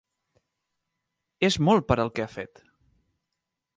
És molt per al que ha fet.